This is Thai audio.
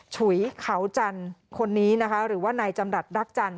ฉุยเขาจันทร์คนนี้นะคะหรือว่านายจำรัฐรักจันท